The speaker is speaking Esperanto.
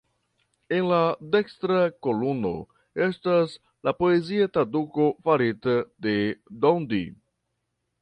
En la dekstra kolumno estas la poezia traduko farita de Dondi.